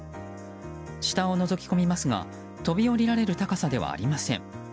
下をのぞき込みますが飛び降りられる高さではありません。